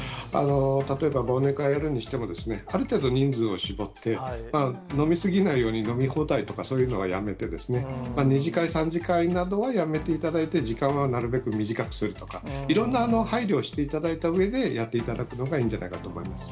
例えば忘年会やるにしても、ある程度人数を絞って、飲み過ぎないように飲み放題とか、そういうのはやめてですね、２次会、３次会などはやめていただいて、時間はなるべく短くするとか、いろんな配慮をしていただいたうえで、やっていただくのがいいんじゃないかと思います。